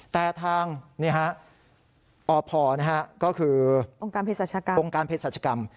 แต่ทางอพก็คือองค์การเพศรัชกรรม